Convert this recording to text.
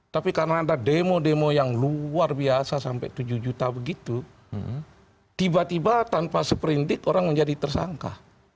tapi karena ada demo demo yang luar biasa sampai tujuh juta begitu tiba tiba tanpa seperindik orang menjadi tersangka